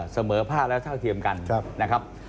เสมอภาพและเทียมสะกัดกัน